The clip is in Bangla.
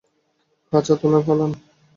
কাছা তুলে পালান।